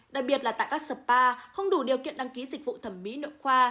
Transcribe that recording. đặc biệt là tại các spa không đủ điều kiện đăng ký dịch vụ thẩm mỹ nội khoa